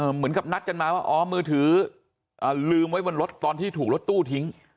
เหมือนกับนัดกันมาว่าอ๋อมือถือลืมไว้บนรถตอนที่ถูกรถตู้ทิ้ง